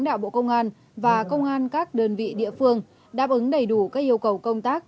đạo bộ công an và công an các đơn vị địa phương đáp ứng đầy đủ các yêu cầu công tác